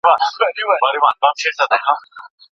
مور یې د ناهیلۍ په سمندر کې د لور د تسلیت لپاره مینه کاروله.